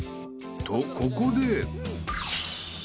［とここで］